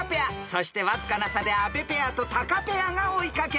［そしてわずかな差で阿部ペアとタカペアが追い掛ける］